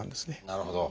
なるほど。